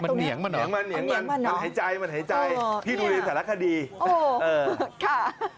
มันเหนียงมันหรอมันเหนียงมันมันหายใจพี่ดูนี้แต่ละคดีโอ้ค่ะ